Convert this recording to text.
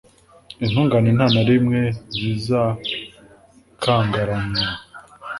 Intungane nta na rimwe zizakangaranywa